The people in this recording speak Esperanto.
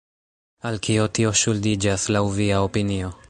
Al kio tio ŝuldiĝas, laŭ via opinio?